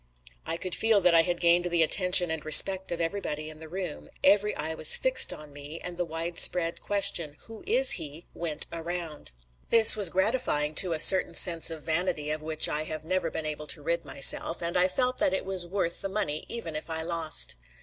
I could feel that I had gained the attention and respect of everybody in the room, every eye was fixed on me, and the widespread question, "Who is he?" went around. This was gratifying to a certain sense of vanity of which I have never been able to rid myself, and I felt that it was worth the money even if I lost.